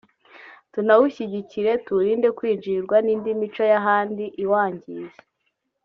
tunawushyigikire tuwurinde kwinjirirwa n’indi mico y’ahandi iwangiza”